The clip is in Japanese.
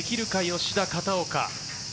吉田、片岡。